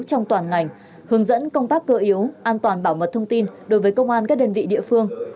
trong toàn ngành hướng dẫn công tác cơ yếu an toàn bảo mật thông tin đối với công an các đơn vị địa phương